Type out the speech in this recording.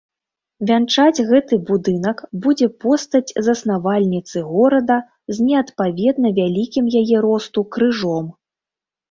Вянчаць гэты будынак будзе постаць заснавальніцы горада з неадпаведна вялікім яе росту крыжом.